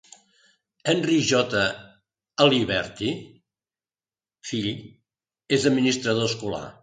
Henry J. Aliberti, fill és l'administrador escolar.